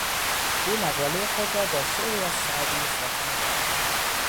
او مقالهی خود را با شعری از سعدی خاتمه داد.